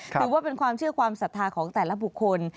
ถือว่าเป็นความเชื่อความศรัทธาของแต่ละบุคคล